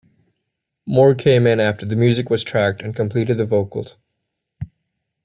Moore came in after the music was tracked and completed the vocals.